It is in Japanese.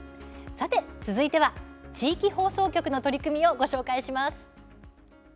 さて、続いては地域放送局の取り組みをご紹介します。